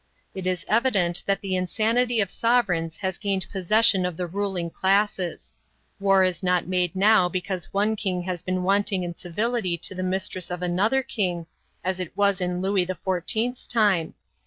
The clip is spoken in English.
"It is evident that the insanity of sovereigns has gained possession of the ruling classes. War is not made now because one king has been wanting in civility to the mistress of another king, as it was in Louis XIV.'s time.